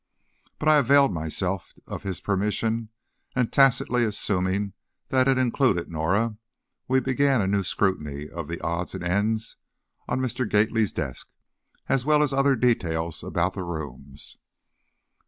But I availed myself of his permission and tacitly assuming that it included Norah, we began a new scrutiny of the odds and ends on Mr. Gately's desk, as well as other details about the rooms.